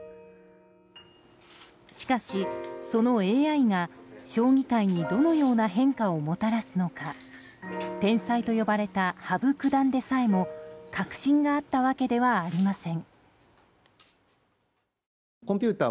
しかし、そのＡＩが将棋界にどのような変化をもたらすのか天才と呼ばれた羽生九段でさえも確信があったわけではありません。